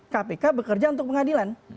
kpk bekerja untuk pengadilan